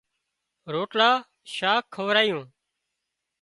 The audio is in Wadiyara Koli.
روٽلا شاک کارايون